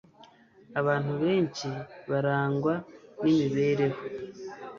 Abantu benshi barangwa n’imibereho